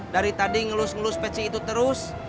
dari tadi ngelus ngelus peci itu terus